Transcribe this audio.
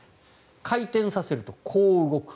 回転させるとこう動く。